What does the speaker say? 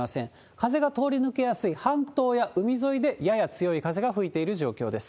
風が通り抜けやすい半島や海沿いで、やや強い風が吹いている状況です。